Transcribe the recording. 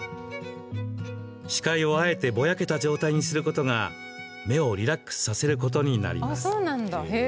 視界を、あえてぼやけた状態にすることが目をリラックスさせることになります。